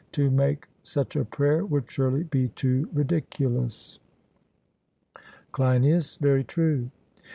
To make such a prayer would surely be too ridiculous. CLEINIAS: Very true.